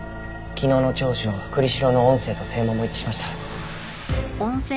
昨日の聴取の栗城の音声と声紋も一致しました。